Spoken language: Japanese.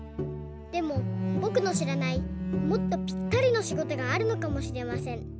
でもぼくのしらないもっとぴったりのしごとがあるのかもしれません。